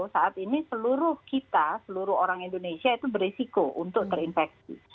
saat ini seluruh kita seluruh orang indonesia itu beresiko untuk terinfeksi